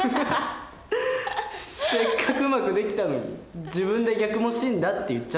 せっかくうまくできたのに自分で逆も真だって言っちゃったね。